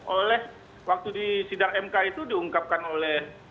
oleh waktu di sidang mk itu diungkapkan oleh